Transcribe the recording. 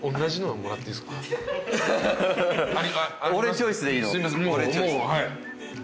はい。